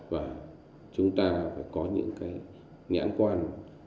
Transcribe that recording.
và chúng ta phải có những cái nhãn quan